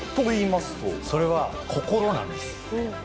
それは、心なんです。